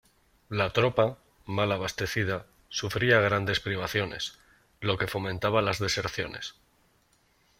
La tropa, mal abastecida, sufría graves privaciones, lo que fomentaba las deserciones.